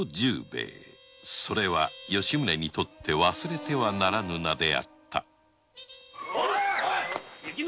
それは吉宗にとって忘れてはならぬ名であったヤィ！